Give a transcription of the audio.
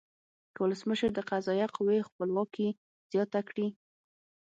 که ولسمشر د قضایه قوې خپلواکي زیانه کړي.